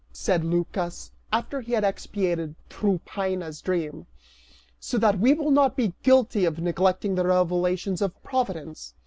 said Lycas, after he had expiated Tryphaena's dream, "so that we will not be guilty of neglecting the revelations of Providence?"